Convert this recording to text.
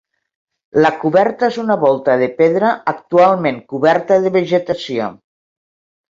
La coberta és una volta de pedra, actualment coberta de vegetació.